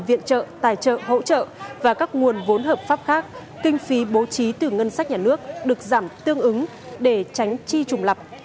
viện trợ tài trợ hỗ trợ và các nguồn vốn hợp pháp khác kinh phí bố trí từ ngân sách nhà nước được giảm tương ứng để tránh chi trùng lập